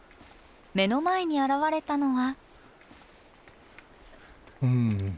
目の前に現れたのは。